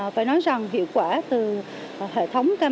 phải nói rằng hiệu quả từ hệ thống camera